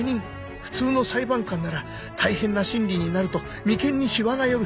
普通の裁判官なら大変な審理になると眉間にしわが寄る。